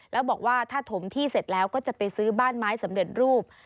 แล้วบอกว่าถ้าถมที่เสร็จแล้วก็จะไปซื้อบ้านไม้สำเร็จรูป